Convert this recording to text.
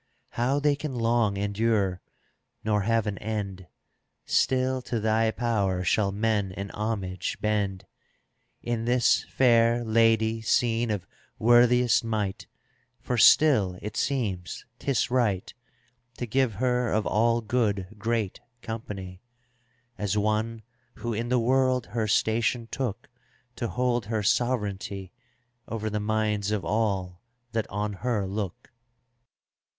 How they can long endure, nor have an end. Still to thy power shall men in homage bend. In this fair Lady seen of worthiest might; ^° For still, it seems, 'tis right, To give her of all good great company. As one who in the world her station took To hold her sovereignty Over the minds of all that on her look.